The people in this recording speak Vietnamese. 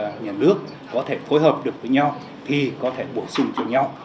các cấp nhà nước có thể phối hợp được với nhau thì có thể bổ sung cho nhau